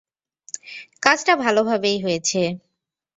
কাজটা ভালভাবেই হয়েছে।